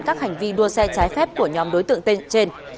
các hành vi đua xe trái phép của nhóm đối tượng tên trên